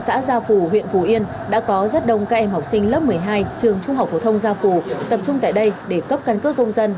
và tập trung tại đây để cấp căn cứ công dân và tập trung tại đây để cấp căn cứ công dân